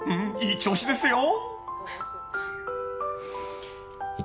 いい調子ですよ］